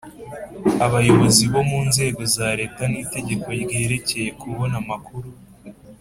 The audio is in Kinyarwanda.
abayobozi bo mu nzego za leta n’itegeko ryerekeye kubona amakuru: